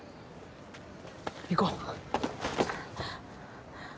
行こう。